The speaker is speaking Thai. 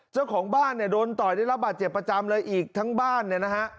เจ้าของบ้านเนี่ยโดนต่อยได้รับบาดเจ็บประจำเลยอีกทั้งบ้านเนี่ยนะฮะ